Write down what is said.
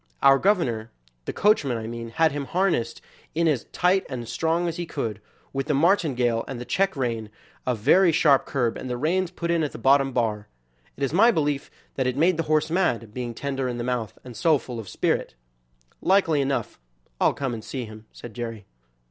Our governor (the coachman, I mean) had him harnessed in as tight and strong as he could, with the martingale, and the check rein, a very sharp curb, and the reins put in at the bottom bar. It is my belief that it made the horse mad, being tender in the mouth and so full of spirit." "Likely enough; I'll come and see him," said Jerry.